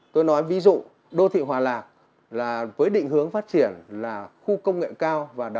tôi nói ví dụ đô thị hòa lạc là với định hướng phát triển là khu công nghệ cao và đồng thời